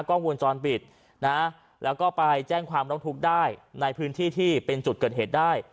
กล้องวงจรปิดนะแล้วก็ไปแจ้งความร้องทุกข์ได้ในพื้นที่ที่เป็นจุดเกิดเหตุได้